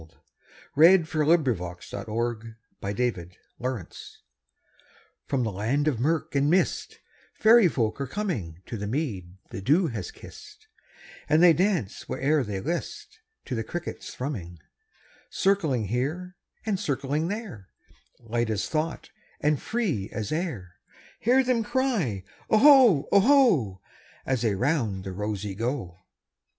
1861–1889 A Fairy Glee By Eugene Field (1850–1895) FROM the land of murk and mistFairy folk are comingTo the mead the dew has kissed, And they dance where'er they listTo the cricket's thrumming. Circling here and circling there, Light as thought and free as air, Hear them cry, "Oho, oho,"As they round the rosey go.